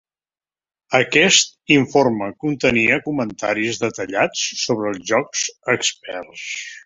Aquest informa contenia comentaris detallats sobre jocs experts.